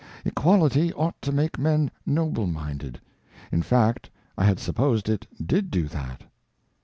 Equality ought to make men noble minded. In fact I had supposed it did do that."